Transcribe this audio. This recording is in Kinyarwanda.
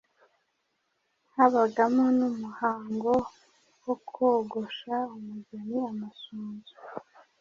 Habagamo n’umuhango wo kogosha umugeni amasunzu,